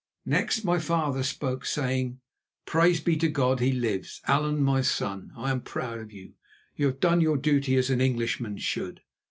Next my father spoke, saying: "Praise be to God, he lives! Allan, my son, I am proud of you; you have done your duty as an Englishman should."